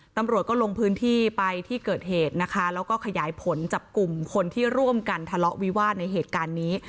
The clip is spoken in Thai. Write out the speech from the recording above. ตำรวจก็ลงพื้นที่ไปที่เกิดเหตุนะคะแล้วก็ขยายผลจับกลุ่มคนที่ร่วมกันทะเลาะวิวาสในเหตุการณ์นี้